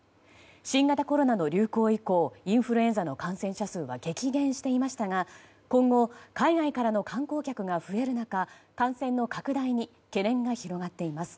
新型コロナの流行以降インフルエンザの感染者数は激減していましたが今後、海外からの観光客が増える中感染の拡大に懸念が広がっています。